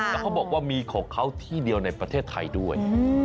แล้วเขาบอกว่ามีของเขาที่เดียวในประเทศไทยด้วย